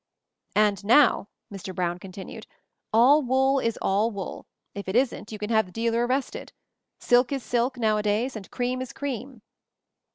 "And now," Mr. Brown continued, " 'all wool' is all wool; if it isn't, you can have the dealer arrested. Silk is silk, nowadays, and cream is cream."